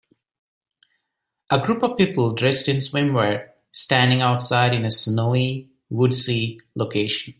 A group of people dressed in swimwear standing outside in a snowy, woodsy location.